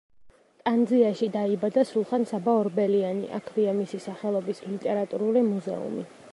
ტანძიაში დაიბადა სულხან-საბა ორბელიანი, აქვეა მისი სახელობის ლიტერატურული მუზეუმი.